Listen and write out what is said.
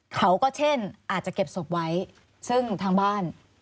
เขาก็เช่นอาจจะเก็บศพไว้ซึ่งทางบ้าน